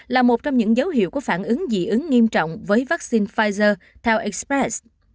là một trong những dấu hiệu của phản ứng dị ứng nghiêm trọng với vaccine pfizer theo express